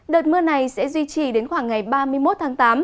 đợt mưa này sẽ duy trì đến khoảng ngày ba mươi một tháng tám